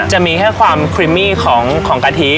จะมีแค่ความครีมมี่ของกะทิ